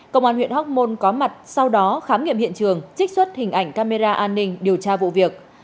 công an huyện hóc môn có mặt sau đó khám nghiệm hiện trường trích xuất hình ảnh camera an ninh điều tra vụ việc